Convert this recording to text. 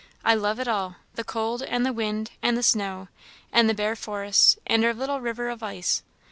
I love it all; the cold, and the wind, and the snow, and the bare forests, and our little river of ice.